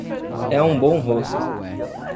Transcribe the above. É um bom rosto.